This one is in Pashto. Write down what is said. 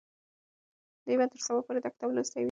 دوی به تر سبا پورې دا کتاب لوستی وي.